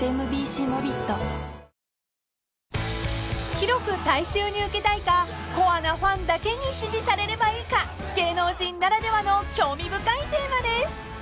［広く大衆に受けたいかコアなファンだけに支持されればいいか芸能人ならではの興味深いテーマです］